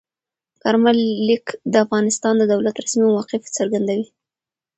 کارمل لیک د افغانستان د دولت رسمي موقف څرګندوي.